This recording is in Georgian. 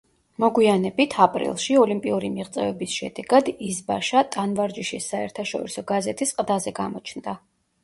მოგვიანებით, აპრილში ოლიმპიური მიღწევების შედეგად იზბაშა ტანვარჯიშის საერთაშორისო გაზეთის ყდაზე გამოჩნდა.